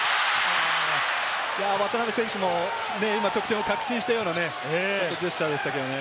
渡邊選手も得点を確信したようなジェスチャーでしたけれどね。